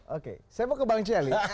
oke saya mau kembali ke ciali